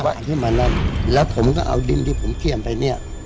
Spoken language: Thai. กินอาหารที่มานั่งแล้วผมก็เอาดิ้นที่ผมเคลียมไปเนี่ย